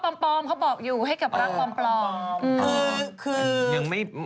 ก็หัวเราะปลอมเขาบอกอยู่ให้กับรักปลอม